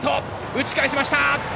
打ち返しました。